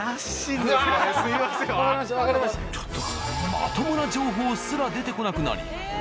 まともな情報すら出てこなくなり。